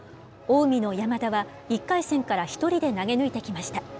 近江の山田は、１回戦から１人で投げ抜いてきました。